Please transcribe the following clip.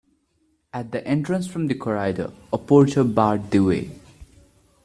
At the entrance from the corridor a porter barred the way.